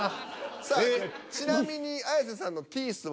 さあちなみに綾瀬さんの「ティース」は。